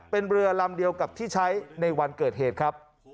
เป็นเรือลำเดียวกับที่ใช้ในวันเกิดเหตุครับ